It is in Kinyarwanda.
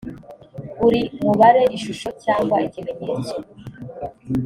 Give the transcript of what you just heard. buri mubare ishusho cyangwa ikimenyetso